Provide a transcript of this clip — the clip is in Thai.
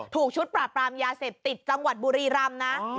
ถูกชุดปราบปรามยาเสพติดจังหวัดบุรีรำนะ